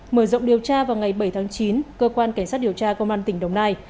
mở rộng điều tra vào ngày bảy tháng chín cơ quan cảnh sát điều tra công an tỉnh đồng nai